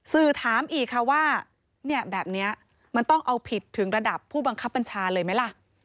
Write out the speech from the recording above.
สื่อถามอีกค่ะว่าเนี่ยแบบนี้มันต้องเอาผิดถึงระดับผู้บังคับบัญชาเลยไหมล่ะ